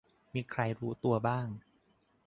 มีใครรู้ตัวบ้าง